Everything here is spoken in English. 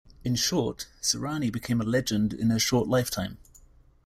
In short, Sirani became a legend in her short lifetime.